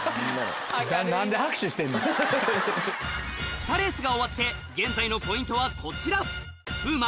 ふたレースが終わって現在のポイントはこちら風磨